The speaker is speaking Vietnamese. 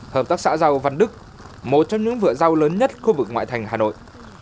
hợp tác xã râu văn đức một trong những vựa râu lớn nhất khu vực ngoại thành hà nội